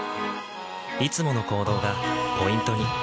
いつもの行動がポイントに。